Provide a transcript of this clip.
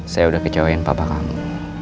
saya udah kecewain papa kamu